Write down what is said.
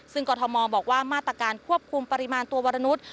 ซึ่งกรทมบอกว่ามาตรการควบคุมปริมาณตัววรนุษย์